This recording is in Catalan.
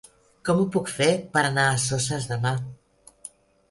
Com ho puc fer per anar a Soses demà?